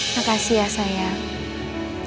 makasih ya sayang